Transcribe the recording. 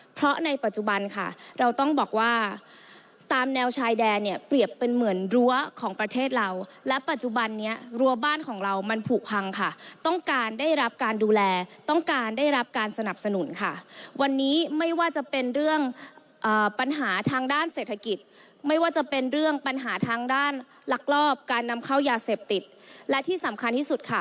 เพราะในปัจจุบันค่ะเราต้องบอกว่าตามแนวชายแดนเนี่ยเปรียบเป็นเหมือนรั้วของประเทศเราและปัจจุบันนี้รั้วบ้านของเรามันผูกพังค่ะต้องการได้รับการดูแลต้องการได้รับการสนับสนุนค่ะวันนี้ไม่ว่าจะเป็นเรื่องปัญหาทางด้านเศรษฐกิจไม่ว่าจะเป็นเรื่องปัญหาทางด้านลักลอบการนำเข้ายาเสพติดและที่สำคัญที่สุดค่ะ